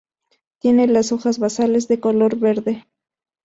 Tiene las hojas basales de color verde.